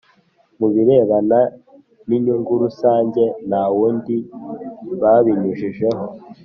mu birebana n inyungu rusange nta wundi babinyujijeho